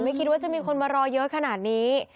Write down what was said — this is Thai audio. คิดว่าจะมีคนมารอเยอะขนาดนี้